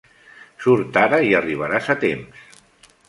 Surt ara i arribaràs a temps.